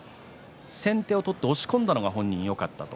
先手を取って押し込んだのが本人はよかったと。